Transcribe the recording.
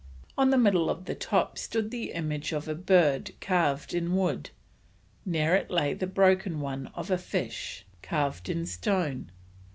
On the middle of the Top stood the image of a Bird carved in wood, near it lay the broken one of a Fish, carved in stone.